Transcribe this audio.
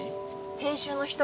編集の人。